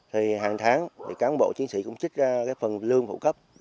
hàng tháng cán bộ chiến sĩ cũng chích ra phần lương phụ cấp